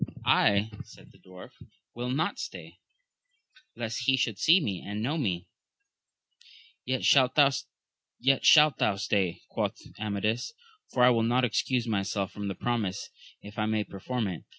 I, said the dwarf, will not stay, lest he should see and know me. Yet shalt thou stay, quoth Amadis, for I will not excuse myself from the promise, if I may perform it.